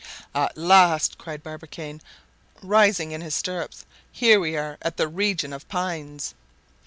"At last," cried Barbicane, rising in his stirrups, "here we are at the region of pines!"